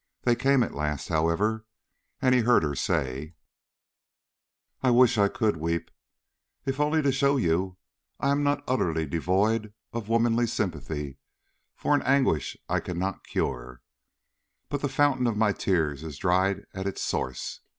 They came at last, however, and he heard her say: "I wish I could weep, if only to show you I am not utterly devoid of womanly sympathy for an anguish I cannot cure. But the fountain of my tears is dried at its source.